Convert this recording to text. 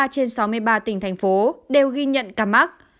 sáu mươi ba trên sáu mươi ba tỉnh thành phố đều ghi nhận ca mắc